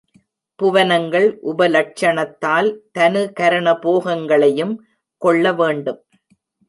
புவனங்கள் உபலட்சணத்தால் தனு கரண போகங்களையும் கொள்ள வேண்டும்.